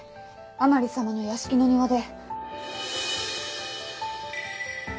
甘利様の屋敷の庭で。